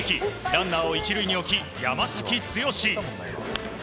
ランナーを１塁に置き、山崎剛。